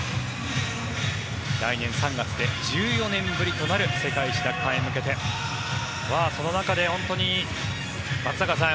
来年３月で１４年ぶりとなる世界一奪還へ向けてその中で松坂さん